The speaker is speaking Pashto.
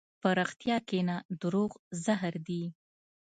په رښتیا کښېنه، دروغ زهر دي.